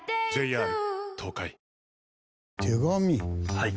はい。